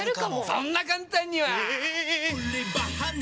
そんな簡単には。